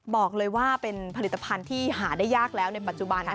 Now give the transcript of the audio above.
บอกเลยว่าเป็นผลิตภัณฑ์ที่หาได้ยากแล้วในปัจจุบัน